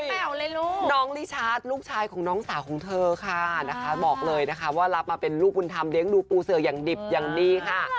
แหววเลยลูกน้องลิชัดลูกชายของน้องสาวของเธอค่ะนะคะบอกเลยนะคะว่ารับมาเป็นลูกบุญธรรมเลี้ยงดูปูเสืออย่างดิบอย่างดีค่ะ